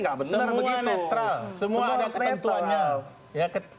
gak bener begitu